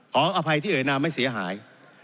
ขออภัยที่เอ่ยนามไม่เสียหาย